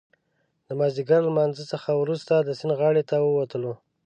د مازدیګر له لمانځه څخه وروسته د سیند غاړې ته ووتلو.